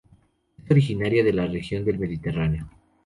Es originaria de la región del Mediterráneo.